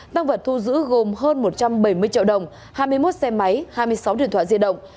tăng vật thu giữ gồm hơn một trăm bảy mươi triệu đồng hai mươi một xe máy hai mươi sáu điện thoại di động